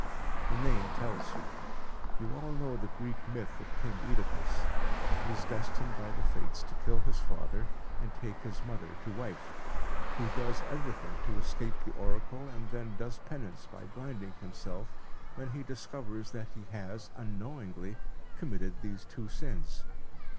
The name tells you. You all know the Greek myth of King Oedipus, who is destined by the fates to kill his father, and take his mother to wife, who does everything to escape the oracle and then does penance by blinding himself when he discovers that he has, unknowingly, committed these two sins.